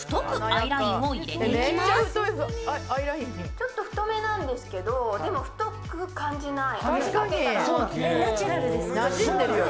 ちょっと太めなんですけど、太く感じない。